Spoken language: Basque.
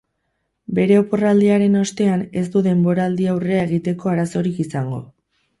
Bere oporraldiaren ostean ez du denboraldiaurrea egiteko arazorik izango.